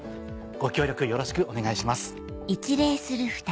ご協力よろしくお願いします。